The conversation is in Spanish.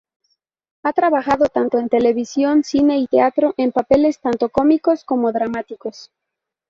Ha trabajado tanto en televisión, cine y teatro en papeles tanto cómicos como dramáticos.